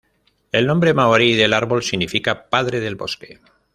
El nombre maorí del árbol significa "padre del bosque".